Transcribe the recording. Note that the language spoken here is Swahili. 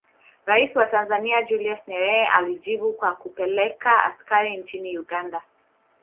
Rais wa Tanzania Julius Nyerere alijibu kwa kupeleka askari nchini Uganda